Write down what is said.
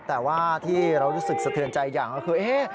แต่ที่เรารู้สึกเสถือใจอีกอย่างก็คือ